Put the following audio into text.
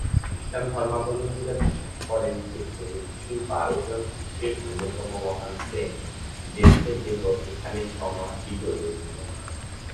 খ্রিস্টান ধর্মাবলম্বীরা বিশ্বাস করেন যে, প্রভু যিশুর বারোজন শিষ্যের অন্যতম মহান সেন্ট জেমসের দেহ এখানে সমাহিত রয়েছে।